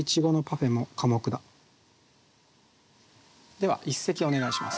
では一席お願いします。